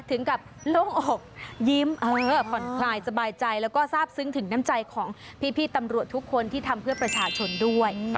ถึงกับโล่งอกยิ้มผ่อนคลายสบายใจแล้วก็ทราบซึ้งถึงน้ำใจของพี่ตำรวจทุกคนที่ทำเพื่อประชาชนด้วย